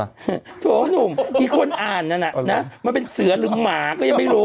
โอโหหนุ่มอีกคนอ่านนั้นนะมันเป็นเสือระลึกหมาก็ยังไม่รู้